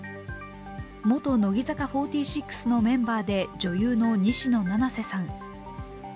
元乃木坂４６のメンバーで女優の西野七瀬さん